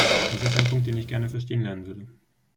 Das ist ein Punkt, den ich gerne verstehen lernen würde.